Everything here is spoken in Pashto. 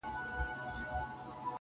دا نو ژوند سو درد یې پرېږده او یار باسه.